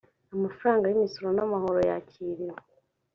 amafaranga y imisoro n amahoro yakiriwe